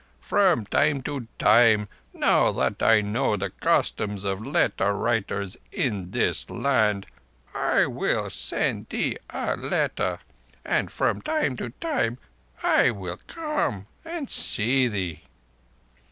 From time to time, now that I know the customs of letter writers in this land, I will send thee a letter, and from time to time I will come and see thee."